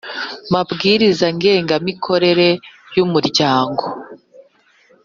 mabwiriza ngenga mikorere y Umuryango